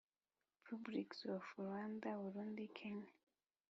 Republics of Rwanda Burundi Kenya